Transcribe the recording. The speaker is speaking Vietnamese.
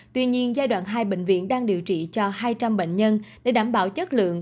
tuy nhiên giai đoạn hai bệnh viện đang điều trị cho hai trăm linh bệnh nhân để đảm bảo chất lượng